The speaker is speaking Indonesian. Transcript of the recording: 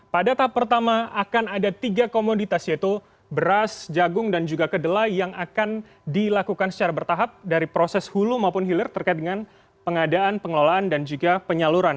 pada tahap pertama akan ada tiga komoditas yaitu beras jagung dan juga kedelai yang akan dilakukan secara bertahap dari proses hulu maupun hilir terkait dengan pengadaan pengelolaan dan juga penyaluran